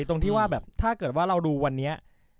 ตรงที่ว่าแบบถ้าเกิดว่าเราดูวันนี้